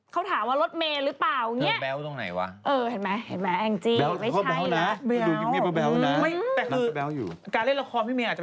เขาถามว่ารถเมรึเปล่านี่เฮ่ยแบ๊วตรงไหนวะ